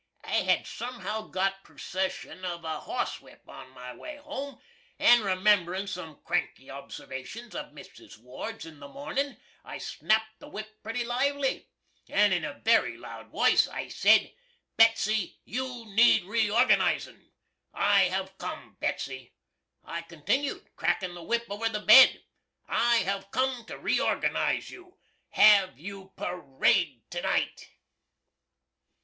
I had sumhow got perseshun of a hosswhip on my way home, and rememberin' sum cranky observations of Mrs. Ward's in the mornin', I snapt the whip putty lively, and in a very loud woice, I sed, "Betsy, you need reorganizin'! I have cum, Betsy," I continued crackin the whip over the bed "I have cum to reorganize you! Haave you per ayed tonight?"